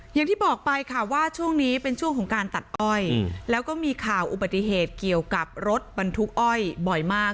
อย่างที่บอกไปค่ะว่าช่วงนี้เป็นช่วงของการตัดอ้อยแล้วก็มีข่าวอุบัติเหตุเกี่ยวกับรถบรรทุกอ้อยบ่อยมาก